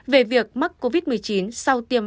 về việc mắc covid một mươi chín sau tiêm